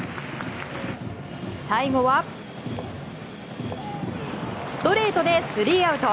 最後は、ストレートでスリーアウト。